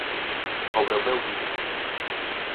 Sobre o meu libro.